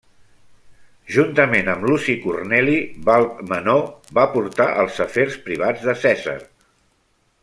Juntament amb Luci Corneli Balb Menor va portar els afers privats de Cèsar.